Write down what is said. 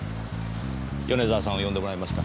米沢さんを呼んでもらえますか？